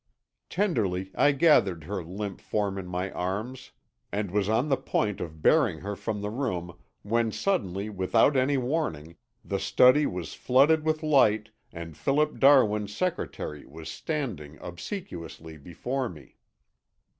Tenderly I gathered her limp form in my arms and was on the point of bearing her from the room when suddenly without any warning the study was flooded with light and Philip Darwin's secretary was standing obsequiously before me.